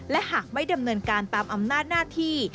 และหากไม่ดำเนินการตามอำนาจหน้าที่